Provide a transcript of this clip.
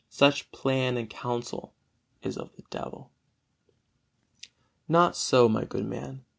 Such plan and counsel is of the devil. Not so, my good man!